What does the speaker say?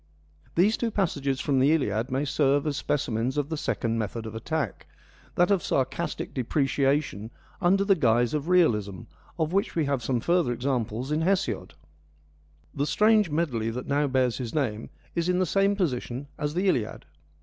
These two passages from the Iliad may serve as specimens of the second method of attack, that of sarcastic depreciation under the guise of realism, of which we have some further examples in Hesiod. The strange medley that now bears his name is in the same position as the Iliad.